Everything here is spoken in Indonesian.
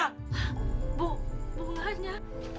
hah bu bunganya